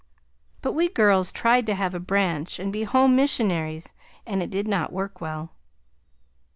But we girls tried to have a branch and be home missionaries and it did not work well.